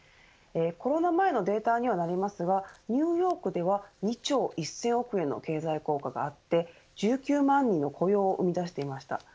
コロナ前のデータにはなりますがニューヨークでは２兆１０００億円の経済効果があって１９万人の雇用を生み出していました。